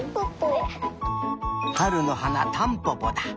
はるのはなタンポポだ。